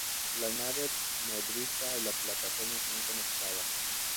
La nave nodriza y la plataforma son conectadas.